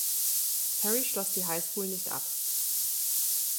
Perry schloss die Highschool nicht ab.